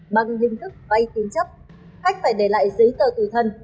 bằng hình thức vay tín chấp khách phải để lại giấy tờ tùy thân